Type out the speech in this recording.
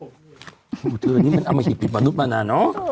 โอเคโอ้เธอนี่มันเอามาหิบหิบมนุษย์มานานเนอะเออ